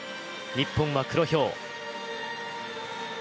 日本は黒豹。